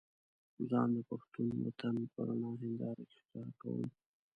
ځان د پښتون وطن په رڼه هينداره کې ښکاره کوم.